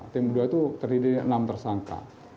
tim dua itu terdiri dari enam tersangka